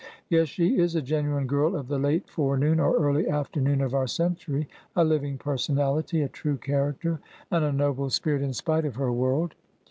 Yet she is a genuine girl of the late forenoon or early after noon of our century; a living personality; a true char acter, and a noble spirit in spite of her world.